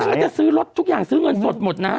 ถ้าไม่เจอจะซื้อรถทุกอย่างซื้อเงินสดหมดนะ